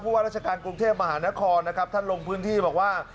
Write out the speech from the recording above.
ว่าราชการกรุงเทพมหานครนะครับท่านลงพื้นที่บอกว่า